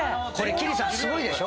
貴理さんすごいでしょ？